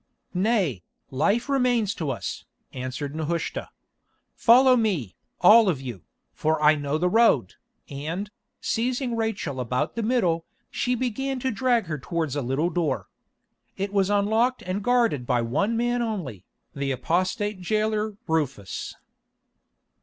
"Nay, life remains to us," answered Nehushta. "Follow me, all of you, for I know the road," and, seizing Rachel about the middle, she began to drag her towards a little door. It was unlocked and guarded by one man only, the apostate jailer Rufus.